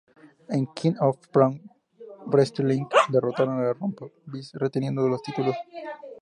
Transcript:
En "King of Pro-Wrestling", derrotaron a Roppongi Vice, reteniendo los títulos.